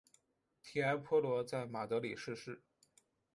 提埃坡罗在马德里逝世。